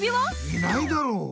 いないだろう。